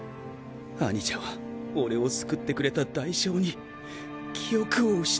兄者は俺を救ってくれた代償に記憶を失った。